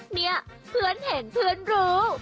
เนี่ยเพื่อนเห็นเพื่อนรู้